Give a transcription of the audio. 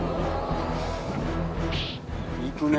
いくね。